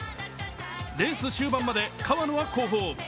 レース終盤まで川野は後方。